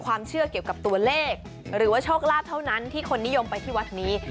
ความเชื่อเกี่ยวกับตัวเลขหรือว่าโชคลาภเท่านั้นที่คนนิยมไปที่วัดนี้